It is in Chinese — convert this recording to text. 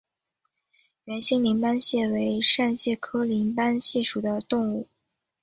圆形鳞斑蟹为扇蟹科鳞斑蟹属的动物。